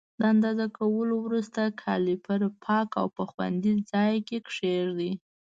د اندازه کولو وروسته کالیپر پاک او په خوندي ځای کې کېږدئ.